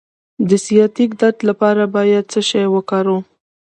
د سیاتیک درد لپاره باید څه شی وکاروم؟